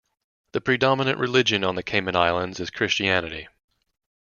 The predominant religion on the Cayman Islands is Christianity.